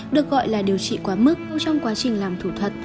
được gọi là điều trị quá mức trong quá trình làm thủ thuật